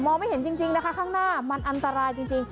ไม่เห็นจริงนะคะข้างหน้ามันอันตรายจริง